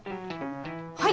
はい！